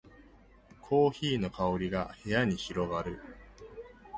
コーヒーの香りが部屋に広がる